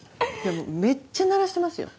めっちゃ鳴らしてますよ。